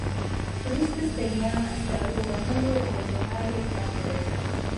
وروسته ستړیا، سړو وهلو او د غاړې درد راځي.